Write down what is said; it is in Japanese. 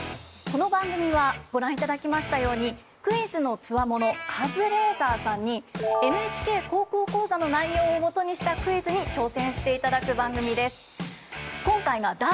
この番組はご覧いただきましたようにクイズの強者カズレーザーさんに「ＮＨＫ高校講座」の内容を基にしたクイズに挑戦していただく番組です。